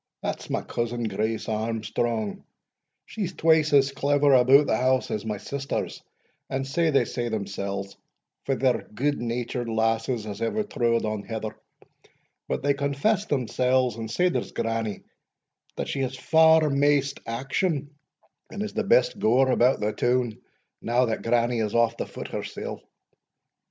that's my cousin, Grace Armstrong, she's twice as clever about the house as my sisters, and sae they say themsells, for they're good natured lasses as ever trode on heather; but they confess themsells, and sae does grannie, that she has far maist action, and is the best goer about the toun, now that grannie is off the foot hersell.